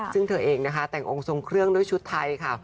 ซึ่งเธอเองนะคะแต่งองค์ทรงเครื่องด้วยชุดไทยค่ะ